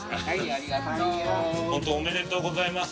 ありがとうございます。